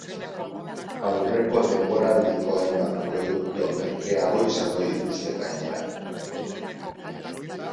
Aurreko denboraldiko hainbat produktu merkeago izango dituzte, gainera.